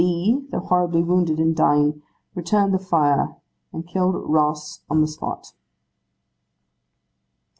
B., though horribly wounded, and dying, returned the fire, and killed Ross on the spot.